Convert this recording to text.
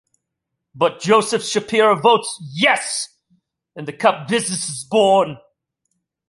But Joseph Shapiro votes yes - and the cup business is born.